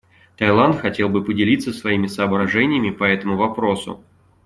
Таиланд хотел бы поделиться своими соображениями по этому вопросу.